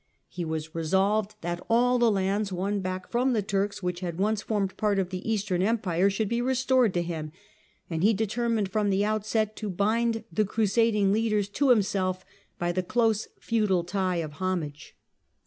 He was resolved that all the lands won back from the Turks which had once formed part of the Eastern Empire should be restored to him, and he determined from the outset to bind the crusading leaders to himself by the close feudal tie of homage.